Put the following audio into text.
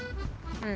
うん。